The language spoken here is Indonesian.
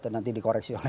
nanti dikoreksi oleh